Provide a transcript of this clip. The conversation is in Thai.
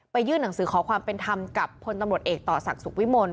ยื่นหนังสือขอความเป็นธรรมกับพลตำรวจเอกต่อศักดิ์สุขวิมล